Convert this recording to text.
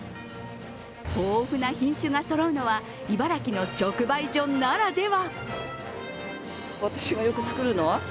豊富な品種がそろうのは茨城の直売所ならでは。